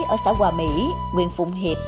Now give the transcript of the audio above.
ở xã hòa mỹ nguyễn phụng hiệp